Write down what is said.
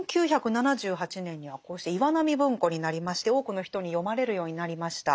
で１９７８年にはこうして岩波文庫になりまして多くの人に読まれるようになりました。